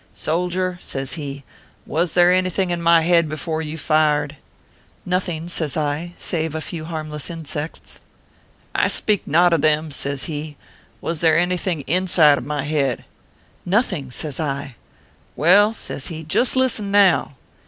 " Soldier/ says he, " was there anything in my head before you fired ?"" Nothing/ says I, " save a few harmless insects." " I speak not of them/ says he. "Was there any thing inside of my head ?" "Nothing !" says I. ." Well/ says he, "just listen now."